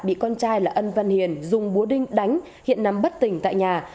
bị con trai là ân văn hiền dùng búa đinh đánh hiện nằm bất tỉnh tại nhà